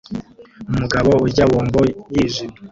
umugabo urya bombo yijimye